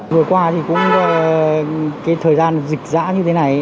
người qua thì cũng cái thời gian dịch dã như thế này